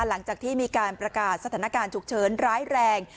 หลังจากที่มีการประกาศสถานการณ์ฉุกเฉินร้ายแรง